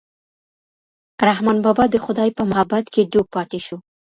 رحمان بابا د خدای په محبت کې ډوب پاتې شو.